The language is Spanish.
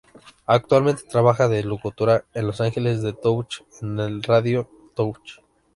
Actualmente trabaja de locutora en Los ángeles de Touch en Radio Touch.